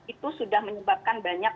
itu sudah menyebabkan banyak